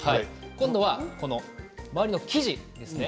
今度は周りの生地ですね。